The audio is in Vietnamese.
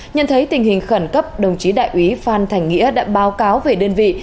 nhận thấy tình hình khẩn cấp đồng chí đại úy phan thành nghĩa đã báo cáo về đơn vị